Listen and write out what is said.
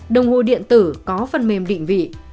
đồng hồ điện tử có phần mềm định vị